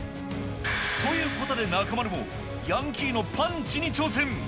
ということで、中丸もヤンキーのパンチに挑戦。